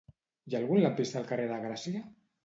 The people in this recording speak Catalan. Hi ha algun lampista al carrer de Gràcia?